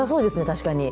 確かに。